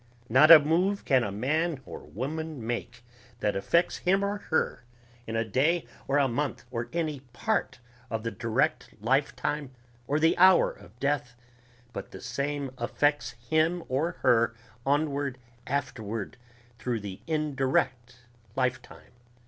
Not a move can a man or woman make that effects him or her in a day or a month or any part of the direct lifetime or the hour of death but the same affects him or her onward afterward through the indirect lifetime.